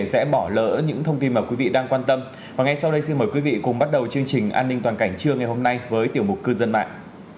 xin mời quý vị cùng bắt đầu chương trình an ninh toàn cảnh trưa ngày hôm nay với tiểu mục cư dân mạng